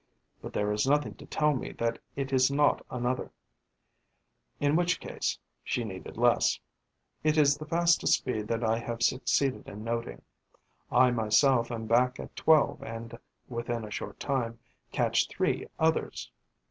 But there is nothing to tell me that it is not another, in which case she needed less. It is the fastest speed that I have succeeded in noting. I myself am back at twelve and, within a short time, catch three others.